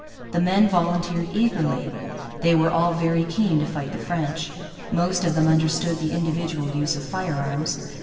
The men volunteered eagerly. They were all very keen to fight the French. Most of them understood the individual use of firearms.